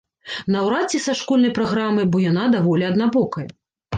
Наўрад ці са школьнай праграмы, бо яна даволі аднабокая.